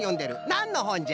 なんのほんじゃ？